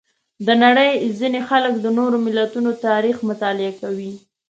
د نړۍ ځینې خلک د نورو ملتونو تاریخ مطالعه کوي.